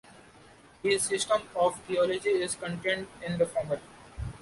His system of theology is contained in the former.